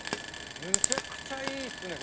むちゃくちゃいいっすね